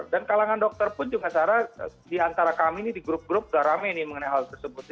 dan kalangan dokter pun juga sarah di antara kami ini di grup grup udah rame ini mengenai hal tersebut